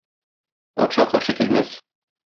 Патша каршы килмәс.